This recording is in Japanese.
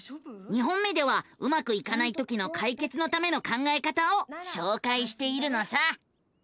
２本目ではうまくいかないときの解決のための考えた方をしょうかいしているのさ。